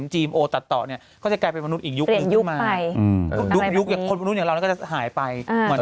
เหมือนที่สิ่งมีชุดอื่นที่ค่อยหายไป